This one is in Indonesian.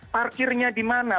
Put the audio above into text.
parkirnya di mana